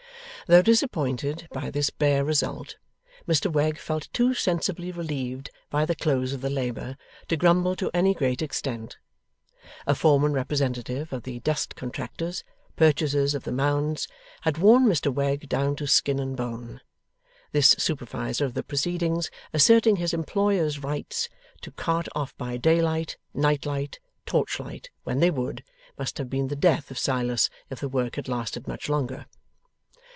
Though disappointed by this bare result, Mr Wegg felt too sensibly relieved by the close of the labour, to grumble to any great extent. A foreman representative of the dust contractors, purchasers of the Mounds, had worn Mr Wegg down to skin and bone. This supervisor of the proceedings, asserting his employers' rights to cart off by daylight, nightlight, torchlight, when they would, must have been the death of Silas if the work had lasted much longer.